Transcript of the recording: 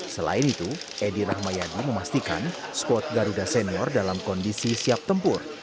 selain itu edi rahmayadi memastikan squad garuda senior dalam kondisi siap tempur